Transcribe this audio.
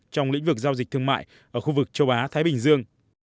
trong lĩnh vực giao dịch thương mại ở khu vực châu á thái bình dương